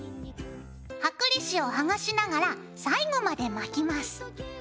剥離紙をはがしながら最後まで巻きます。